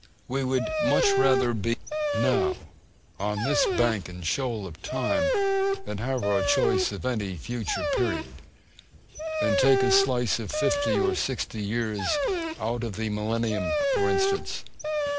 We would much rather be now, 'on this bank and shoal of time,' than have our choice of any future period, than take a slice of fifty or sixty years out of the Millennium, for instance.